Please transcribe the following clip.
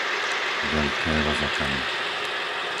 Veľké Vozokany